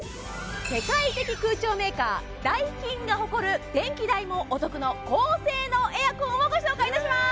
世界的空調メーカーダイキンが誇る電気代もお得の高性能エアコンをご紹介いたします！